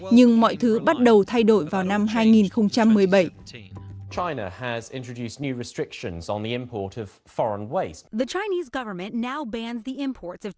nhưng mọi thứ bắt đầu thay đổi vào năm hai nghìn một mươi bảy